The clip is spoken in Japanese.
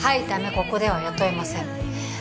ここでは雇えませんえっ